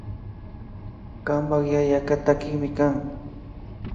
Kanpak yayaka takikmi kan